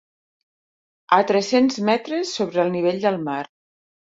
A tres-cents metres sobre el nivell del mar.